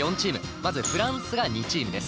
まずフランスが２チームです。